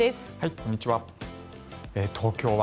こんにちは。